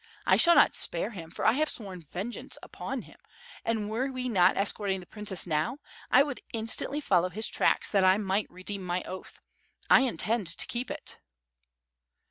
I shall not spare him, for I have sworn vengeance upon him, and were we not escorting the princess now, I would instantly follow his tracks that I might redeem my oath. I intend to keep it."